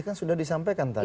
kan sudah disampaikan tadi